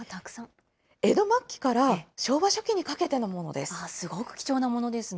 江戸末期から、昭和初期にかすごく貴重なものですね。